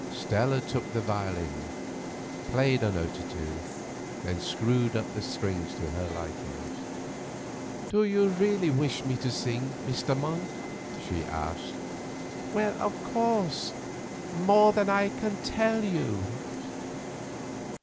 Stella took the violin, played a note or two, then screwed up the strings to her liking. "Do you really wish me to sing, Mr. Monk?" she asked. "Of course; more than I can tell you."